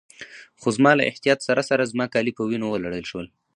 خو زما له احتیاط سره سره زما کالي په وینو ولړل شول.